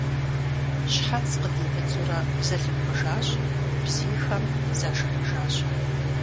Щхьэц къыдимыдзурэ зэлымпӀыжащ, бзийхэм зашыхьыжащ.